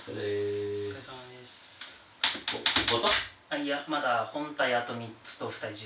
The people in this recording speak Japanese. いやまだ本体あと３つと蓋１２枚。